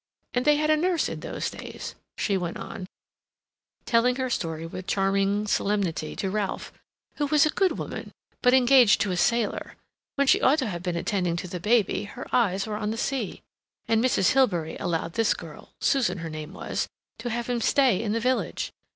And they had a nurse in those days," she went on, telling her story with charming solemnity to Ralph, "who was a good woman, but engaged to a sailor. When she ought to have been attending to the baby, her eyes were on the sea. And Mrs. Hilbery allowed this girl—Susan her name was—to have him to stay in the village.